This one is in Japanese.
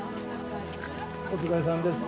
お疲れさんです。